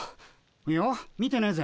いや見てねえぜ。